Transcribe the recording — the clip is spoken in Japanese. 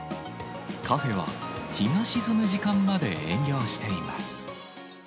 カフェは、日が沈む時間まで営業しています。